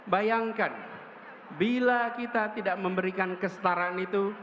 bayangkan bila kita tidak memberikan kestaraan itu